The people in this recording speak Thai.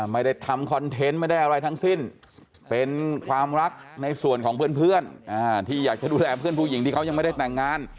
ไม่ได้ทำคอนเทนต์ไม่ได้อะไรทั้งสิ้นเป็นความรักในส่วนของเพื่อนที่อยากจะดูแลเพื่อนผู้หญิงที่เขายังไม่ได้แต่งงาน